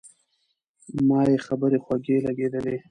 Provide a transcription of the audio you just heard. ما یې خبرې خوږې لګېدې.